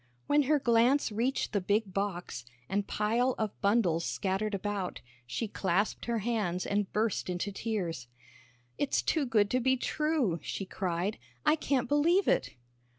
When her glance reached the big box, and pile of bundles scattered about, she clasped her hands and burst into tears. "It's too good to be true," she cried; "I can't believe it."